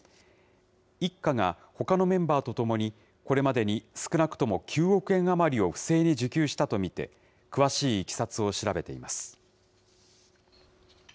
一家がほかのメンバーと共に、これまでに少なくとも９億円余りを不正に受給したと見て、詳しいいきさつを調べています。